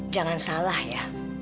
jangan salah ya